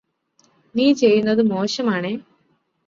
നീ ചെയ്യുന്നത് മോശമാണേ.